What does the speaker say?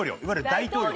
大統領。